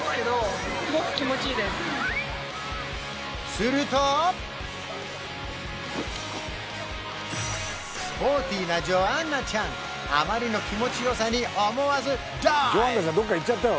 するとスポーティーなジョアンナちゃんあまりの気持ちよさに思わずダイブ！